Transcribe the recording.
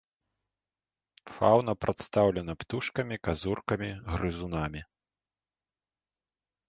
Фаўна прадстаўлена птушкамі, казуркамі, грызунамі.